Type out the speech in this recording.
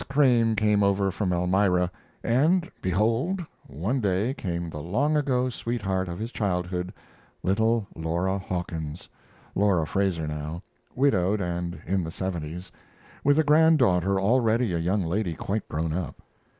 Crane came over from Elmira; and, behold! one day came the long ago sweetheart of his childhood, little Laura Hawkins Laura Frazer now, widowed and in the seventies, with a granddaughter already a young lady quite grown up.